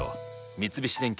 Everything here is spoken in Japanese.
三菱電機